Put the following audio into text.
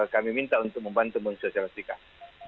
kami minta untuk membantu men sosialisikan